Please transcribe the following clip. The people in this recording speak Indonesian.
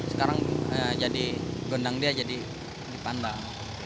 sekarang gendang dia jadi dipandang